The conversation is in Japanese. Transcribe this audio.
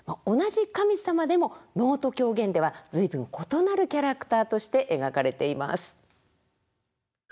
同じ神様でも能と狂言では随分異なるキャラクターとして描かれています。